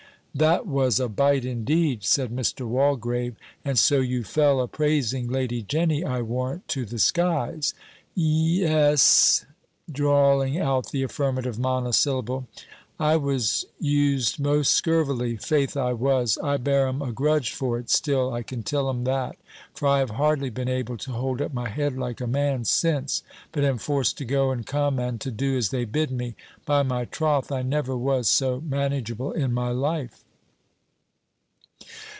"That was a bite indeed," said Mr. Walgrave; "and so you fell a praising Lady Jenny, I warrant, to the skies." "Ye s" (drawling out the affirmative monosyllable), "I was used most scurvily: faith I was. I bear 'em a grudge for it still, I can tell 'em that; for I have hardly been able to hold up my head like a man since but am forced to go and come, and to do as they bid me. By my troth, I never was so manageable in my life."